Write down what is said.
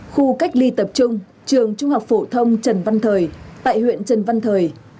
khu cách ly tập trung trường trung học phổ thông trần văn thời tại huyện trần văn thời